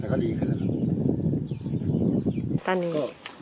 แล้วก็ดีครับ